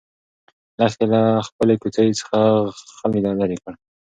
لښتې له خپلې کوڅۍ څخه خلی لرې کړ.